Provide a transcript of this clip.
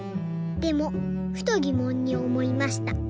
でもふとぎもんにおもいました。